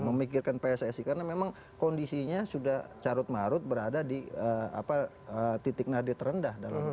memikirkan pssi karena memang kondisinya sudah carut marut berada di titik nadir terendah dalam